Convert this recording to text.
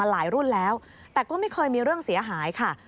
หลายรุ่นแล้วแต่ก็ไม่เคยมีเรื่องเสียหายค่ะ